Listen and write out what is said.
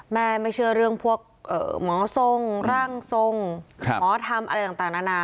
ไม่เชื่อเรื่องพวกหมอทรงร่างทรงหมอทำอะไรต่างนานา